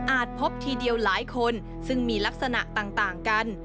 พบทีเดียวหลายคนซึ่งมีลักษณะต่างกัน